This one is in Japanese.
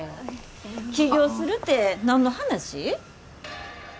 起業するて何の話？